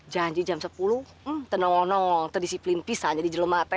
janji jam sepuluh tenong tenong terdisiplin pisahnya di jelum mati